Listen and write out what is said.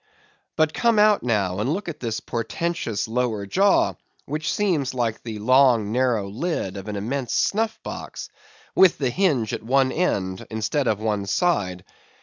But come out now, and look at this portentous lower jaw, which seems like the long narrow lid of an immense snuff box, with the hinge at one end, instead of one side.